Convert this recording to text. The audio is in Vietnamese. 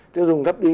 tiêu dùng thấp đi